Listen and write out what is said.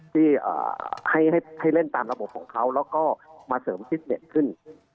ที่ให้เล่นตามระบบของเขาแล้วก็มาเสริมฟิตเน็ตขึ้น